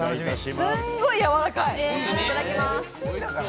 すんごいやわらかい。